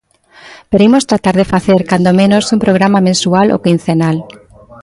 Pero imos tratar de facer cando menos un programa mensual ou quincenal.